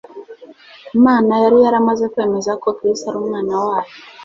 Imana yari yaramaze kwemeza ko Kristo ari Umwana wayo;